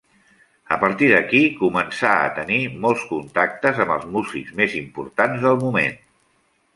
A partir d’aquí començà a tenir molts contactes amb els músics més importants del moment.